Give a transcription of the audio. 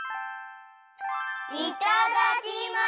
いただきます！